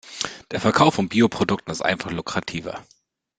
Der Verkauf von Bio-Produkten ist einfach lukrativer.